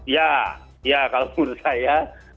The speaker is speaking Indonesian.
ya kalau menurut saya